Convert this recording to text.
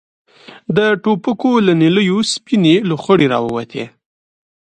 د ټوپکو له نليو سپينې لوخړې را ووتې.